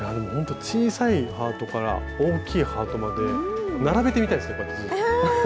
小さいハートから大きいハートまで並べてみたいですね。